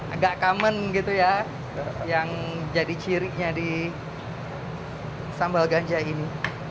agak common yang jadi cirinya di sambal ganja ini